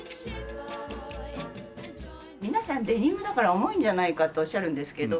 皆さんデニムだから重いんじゃないかっておっしゃるんですけど。